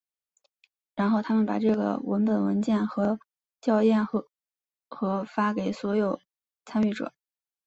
然后他们把这个文本文件和校验和发给所有参与者。